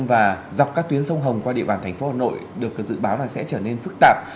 và dọc các tuyến sông hồng qua địa bàn thành phố hà nội được dự báo là sẽ trở nên phức tạp